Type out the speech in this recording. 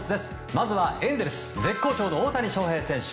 まずはエンゼルス絶好調の大谷翔平選手。